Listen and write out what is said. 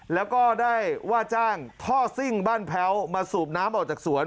แล้วก็ได้ว่าจ้างท่อซิ่งบ้านแพ้วมาสูบน้ำออกจากสวน